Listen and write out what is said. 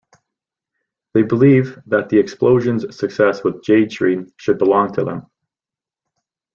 They believed that The Explosion's success with Jade Tree should belong to them.